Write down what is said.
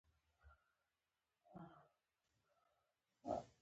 همدارنګه زما د کلیزو میلمستیاوې هم ډېرې مهمې دي.